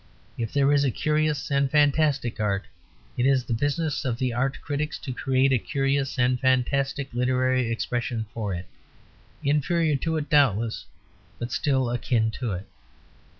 If there is a curious and fantastic art, it is the business of the art critics to create a curious and fantastic literary expression for it; inferior to it, doubtless, but still akin to it.